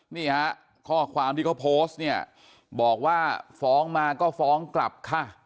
นี่ฮะข้อความที่เขาโพสต์เนี่ยบอกว่าฟ้องมาก็ฟ้องกลับค่ะ